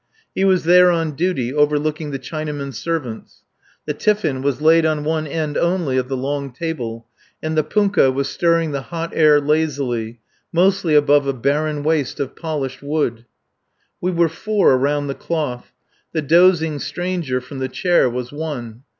He was there on duty overlooking the Chinamen servants. The tiffin was laid on one end only of the long table, and the punkah was stirring the hot air lazily mostly above a barren waste of polished wood. We were four around the cloth. The dozing stranger from the chair was one.